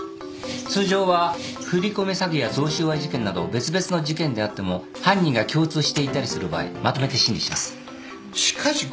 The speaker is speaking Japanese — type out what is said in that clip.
通常は振り込め詐欺や贈収賄事件など別々の事件であっても犯人が共通していたりする場合まとめて審理します。